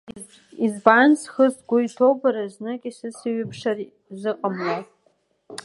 Избан схы-сгәы иҭоу бара знык исыцеиҩыбшар зыҟамло?